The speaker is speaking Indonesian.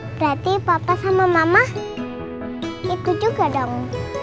berarti bapak sama mama ikut juga dong